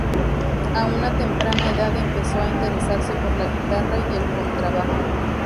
A una temprana edad empezó a interesarse por la guitarra y el contrabajo.